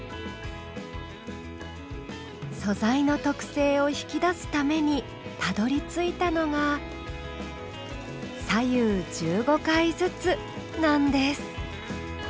素材の特性を引き出すためにたどりついたのが「左右１５回ずつ」なんです。